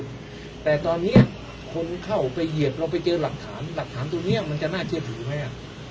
แต่ตอนนี้คนเข้าไปเหยียบเราไปเจอหลักฐานหลักฐานตรงนี้มันจะน่าเชื่อถือไหม